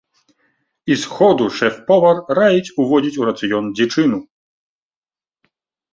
І з ходу шэф-повар раіць уводзіць у рацыён дзічыну.